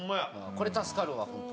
これ助かるわホント。